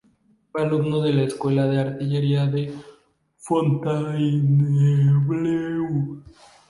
Fue alumno en una escuela de artillería en Fontainebleau.